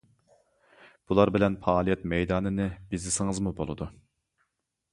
بۇلار بىلەن پائالىيەت مەيدانىنى بېزىسىڭىزمۇ بولىدۇ.